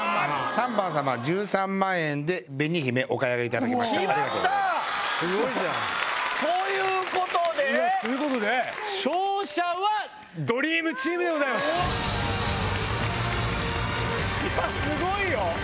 ３番様１３万円で「紅姫」お買い上げいただきました決まった！ということでということで勝者はドリームチームでございますいやすごいよ！